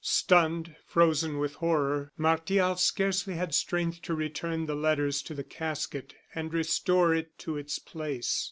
Stunned, frozen with horror, Martial scarcely had strength to return the letters to the casket and restore it to its place.